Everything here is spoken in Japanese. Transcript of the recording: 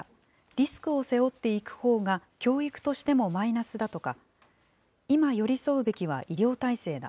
リスクを背負っていくほうが教育としてもマイナスだとか、今寄り添うべきは医療体制だ。